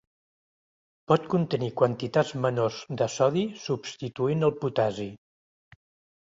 Pot contenir quantitats menors de sodi substituint el potassi.